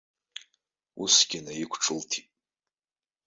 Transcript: Усгьы наиқәҿылҭит.